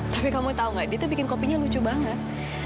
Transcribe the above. tapi kamu tau gak dia itu bikin kopinya lucu banget